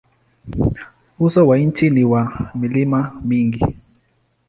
Uso wa nchi ni wa milima mingi.